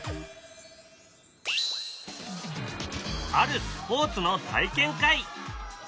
あるスポーツの体験会。